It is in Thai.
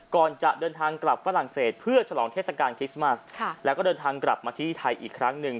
ก่อนจะเดินทางกลับฝรั่งเศสเพื่อฉลองเทศกาลคริสต์มัสแล้วก็เดินทางกลับมาที่ไทยอีกครั้งหนึ่ง